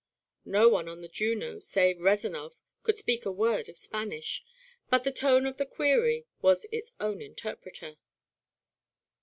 No one on the Juno, save Rezanov, could speak a word of Spanish, but the tone of the query was its own interpreter.